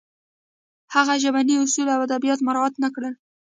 هغه ژبني اصول او ادبیات مراعت نه کړل